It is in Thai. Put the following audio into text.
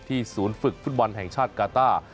ศูนย์ฝึกฟุตบอลแห่งชาติกาต้า